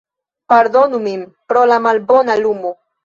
Pardonu min pro la malbona lumo